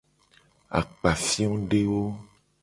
Akpafiodewo.